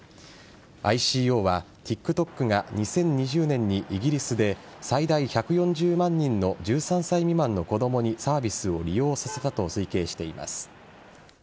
ＩＣＯはＴｉｋＴｏｋが２０２０年にイギリスで最大１４０万人の１３歳未満の子供にサービスを利用させたと推計しています。